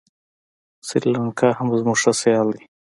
سریلانکا هم زموږ ښه سیال دی.